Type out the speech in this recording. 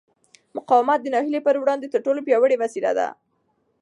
مقاومت د ناهیلۍ پر وړاندې تر ټولو پیاوړې وسله ده.